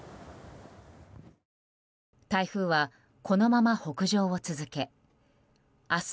台風は、このまま北上を続け明日